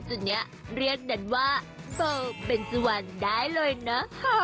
สุดเนี่ยเรียกเด่นว่าเบอร์เป็นสวรรค์ได้เลยนะ